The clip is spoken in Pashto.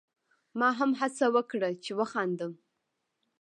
ما هم هڅه وکړه چې وخاندم.